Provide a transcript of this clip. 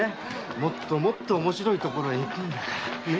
もっともっとおもしろい所へ行くんだから。